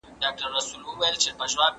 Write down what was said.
زه هره ورځ د ښوونځی لپاره امادګي نيسم؟